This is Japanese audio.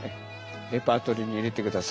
レパートリーに入れてください。